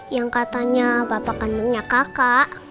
yang katanya bapak kandungnya kakak